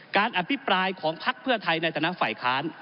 การอภิปรายของพลักษณ์เพื่อไทยในธนภัยคลาน